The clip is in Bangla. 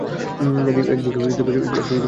একদিকে জীবন, অপরদিকে মৃত্যু।